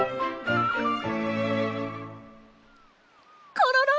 コロロ！